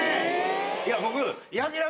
いや僕。